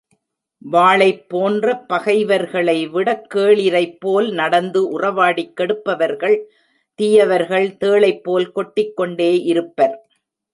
வாளைப் போன்ற பகைவர்களை விடக் கேளிரைப் போல் நடந்து உறவாடிக் கெடுப்பவர்கள் தீயவர்கள் தேளைப்போல் கொட்டிக்கொண்டே இருப்பர்.